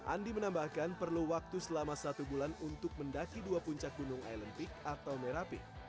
andi menambahkan perlu waktu selama satu bulan untuk mendaki dua puncak gunung island peak atau merapi